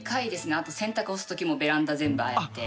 あと洗濯干す時もベランダ全部ああやって。